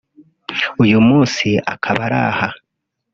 uyu munsi akaba ari aha